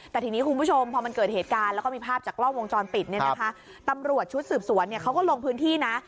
แต่ทีนี้คุณผู้ชมพอมันเกิดเหตุการณ์แล้วก็มีภาพจากกล้องวงจรปิดเนี่ยนะคะตำรวจชุดสืบสวนเนี่ยเขาก็ลงพื้นที่นะ